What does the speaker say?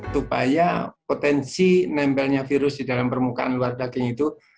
supaya potensi nempelnya virus di dalam permukaan luar daging itu